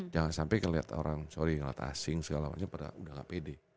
jangan sampai ngeliat orang sorry ngeliat asing segala macam udah gak pede